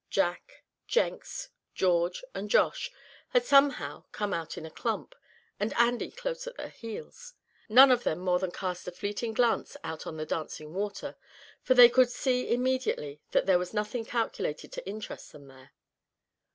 Jack, Jenks, George and Josh had somehow come out in a clump, with Andy close at their heels. None of them more than cast a fleeting glance out on the dancing water, for they could see immediately that there was nothing calculated to interest them there.